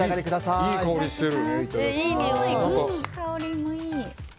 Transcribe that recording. いい香りしてる。